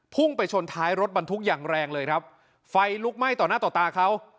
พุ่งไปชนท้ายรถบรรทุกอย่างแรงเลยครับไฟลุกไหม้ต่อหน้าต่อตาเขา